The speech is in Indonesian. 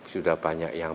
sudah banyak yang